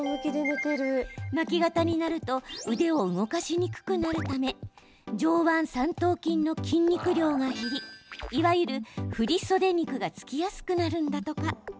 巻き肩になると腕を動かしにくくなるため上腕三頭筋の筋肉量が減りいわゆる、振り袖肉がつきやすくなるんだとか。